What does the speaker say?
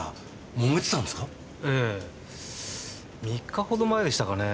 ３日ほど前でしたかね